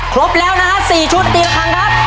ครบแล้วนะฮะ๔ชุดทีละครั้งครับ